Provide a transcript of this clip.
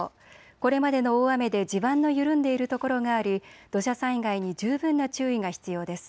これまでの大雨で地盤の緩んでいる所があり土砂災害に十分な注意が必要です。